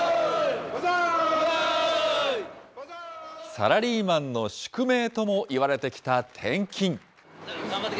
サラリーマンの宿命ともいわれてきた転勤。